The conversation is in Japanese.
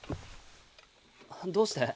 どうして？